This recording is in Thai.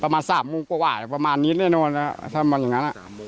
ประมาณสามโมงกว่าหวายประมาณนี้แน่นอนนะสามโมงกว่า